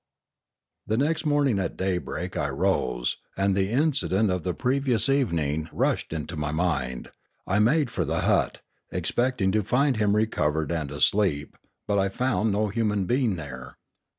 The next morning at daybreak I rose, and the inci dent of the previous evening rushed into my mind. I made for the hut, expecting to find him recovered and asleep, but I found no human being there.